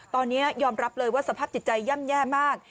ตอนนี้ยอมรับเลยว่าสภาพจิตใจย่ำแย่มาก